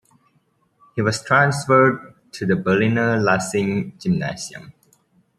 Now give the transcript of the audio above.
He was transferred to the Berliner Lessing-Gymnasium.